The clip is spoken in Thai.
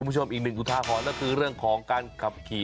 คุณผู้ชมอีกหนึ่งอุทาหรณ์ก็คือเรื่องของการขับขี่